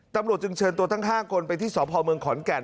ตำรวจจึงเชิญตัว๕คนไปที่สพขอนแก่น